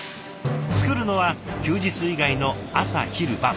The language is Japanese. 作るのは休日以外の朝昼晩。